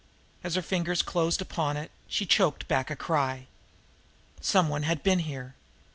As her fingers closed upon it, she choked back a cry. Some one had been here!